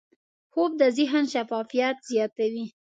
خوب د ذهن شفافیت زیاتوي